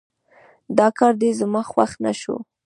دا کار دې زما خوښ نه شو